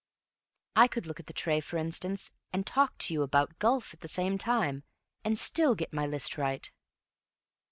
I could look at the tray, for instance, and talk to you about golf at the same time, and still get my list right."